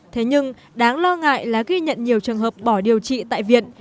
thế nhưng đáng lo ngại là ghi nhận nhiều trường hợp bỏ điều trị tại viện